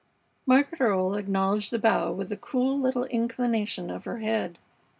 Margaret Earle acknowledged the bow with a cool little inclination of her head.